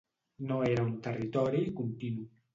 No era un territori continu.